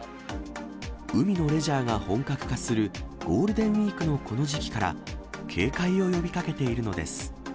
海のレジャーが本格化するゴールデンウィークのこの時期から、警戒を呼びかけているのです。